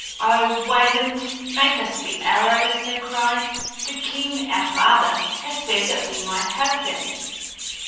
"O Wayland, make us the arrows," they cried. "The king, our father, has said that we might have them."